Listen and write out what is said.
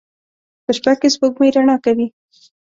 په شپه کې سپوږمۍ رڼا کوي